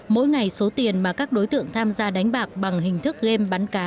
hai nghìn một mươi bảy mỗi ngày số tiền mà các đối tượng tham gia đánh bạc bằng hình thức game bắn cá